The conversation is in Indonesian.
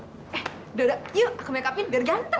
eh yuk aku make upin biar ganteng